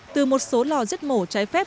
từ một số lò giết mổ trái phép